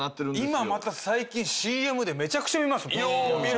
今また最近ＣＭでめちゃくちゃ見ますもん。